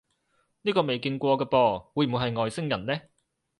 呢個未見過嘅噃，會唔會係外星人呢？